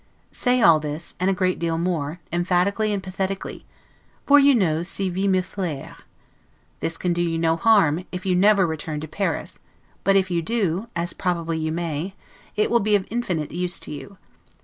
Say all this, and a great deal more, emphatically and pathetically; for you know 'si vis me flere'. This can do you no harm, if you never return to Paris; but if you do, as probably you may, it will be of infinite use to you.